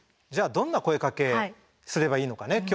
じゃあどんな声かけすればいいのかね